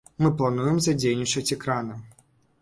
Мы плануем задзейнічаць экраны.